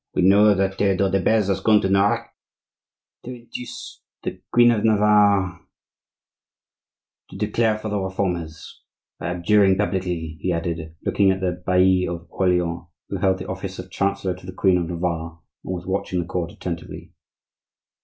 "We know that Theodore de Beze has gone to Nerac to induce the Queen of Navarre to declare for the Reformers—by abjuring publicly," he added, looking at the bailli of Orleans, who held the office of chancellor to the Queen of Navarre, and was watching the court attentively.